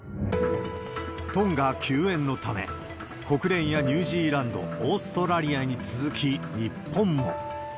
トンガ救援のため、国連やニュージーランド、オーストラリアに続き日本も。